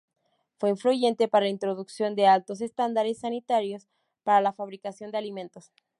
Fue influyente para la introducción de altos estándares sanitarios para la fabricación de alimentos.